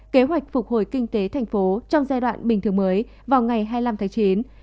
kế hoạch phục hồi kinh tế thành phố trong giai đoạn bình thường mới vào ngày hai mươi năm tháng chín